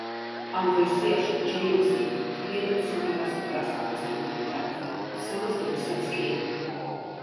ამ ვერსიაში ჯეიმზი მთლიან სიმღერას უკრავს აკუსტიკურ გიტარაზე, სოლოს დროსაც კი.